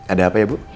ada apa ya bu